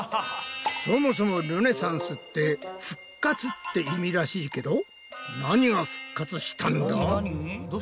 そもそもルネサンスって「復活」って意味らしいけど何が復活したんだ？